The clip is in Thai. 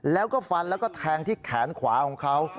แล้วก็ฟันแล้วก็แทงที่แขนขวาของเขา